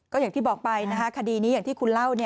ก็อย่างที่บอกไปนะคะคดีนี้อย่างที่คุณเล่า